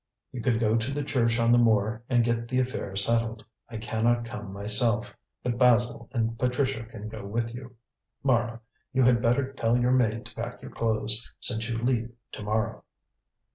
"You can go to the church on the moor and get the affair settled. I cannot come myself, but Basil and Patricia can go with you. Mara, you had better tell your maid to pack your clothes, since you leave to morrow."